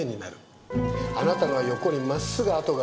あなたのは横に真っすぐ痕がある。